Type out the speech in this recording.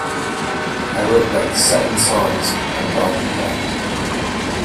I wrote, like, seven songs and brought them back.